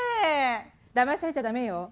だまされちゃ駄目よ。